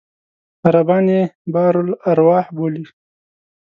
عربان یې بئر الأرواح بولي.